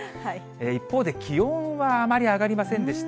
一方で気温はあまり上がりませんでした。